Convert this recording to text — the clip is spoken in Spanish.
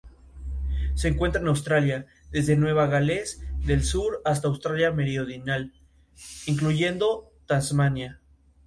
Prácticamente no existen datos de este personaje.